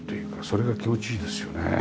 それが気持ちいいですよね。